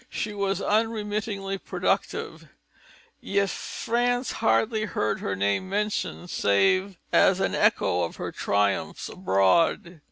She was unremittingly productive; yet France hardly heard her name mentioned save as an echo of her triumphs abroad.